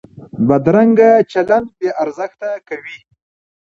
بدرنګه چلند بې ارزښته کوي